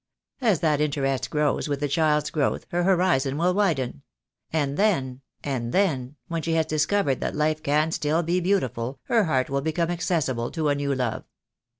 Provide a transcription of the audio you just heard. As that interest grows with the child's growth, her horizon will widen. And then, and then, when she has discovered that life can still be beautiful, her heart will become accessible to a new love.